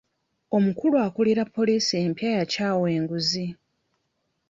Omukulu akulira poliisi empya yakyawa enguzi.